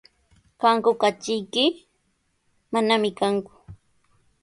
¿Kanku katriyki? Manami kanku.